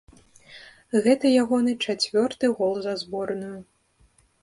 Гэта ягоны чацвёрты гол за зборную.